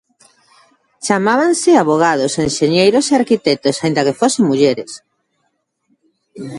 Chamábanse avogados, enxeñeiros e arquitectos, aínda que fosen mulleres.